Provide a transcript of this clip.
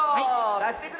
だしてください。